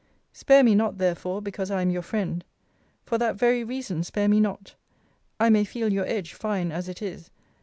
Spare me not therefore because I am your friend. For that very reason spare me not. I may feel your edge, fine as it is.